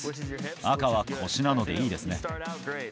赤は腰なのでいいですね。